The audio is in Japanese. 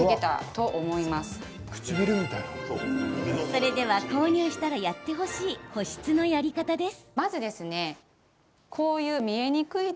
それでは購入したらやってほしい保湿のやり方です。